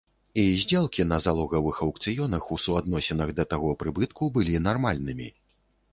І здзелкі на залогавых аўкцыёнах у суадносінах да таго прыбытку былі нармальнымі.